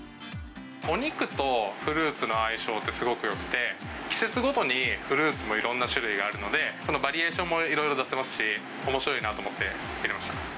お肉とフルーツの相性ってすごくよくて、季節ごとにフルーツもいろんな種類があるので、そのバリエーションもいろいろ出せますし、おもしろいなと思って入れました。